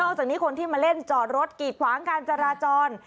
จากนี้คนที่มาเล่นจอดรถกีดขวางการจราจร